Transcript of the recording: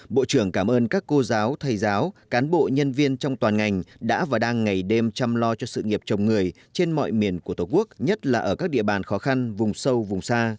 bộ trưởng cảm ơn các cô giáo thầy giáo cán bộ nhân viên trong toàn ngành đã và đang ngày đêm chăm lo cho sự nghiệp chồng người trên mọi miền của tổ quốc nhất là ở các địa bàn khó khăn vùng sâu vùng xa